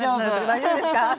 大丈夫ですか？